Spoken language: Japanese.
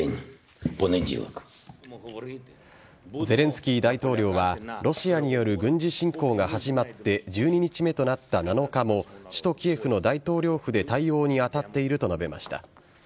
ゼレンスキー大統領は、ロシアによる軍事侵攻が始まって１２日目となった７日も、首都キエフの大統領府で対応に当たっていると述べました。